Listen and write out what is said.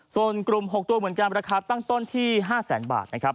ส่วนกลุ่ม๖ตัวเหมือนกันราคาตั้งต้นที่๕แสนบาทนะครับ